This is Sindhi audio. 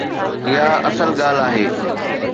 اها اصل ڳالهه آهي.